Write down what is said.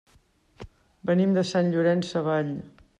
Venim de Sant Llorenç Savall.